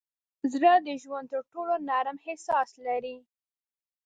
زړه د ژوند تر ټولو نرم احساس لري.